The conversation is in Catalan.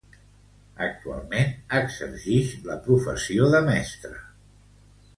Actualment exercix la professió de mestre.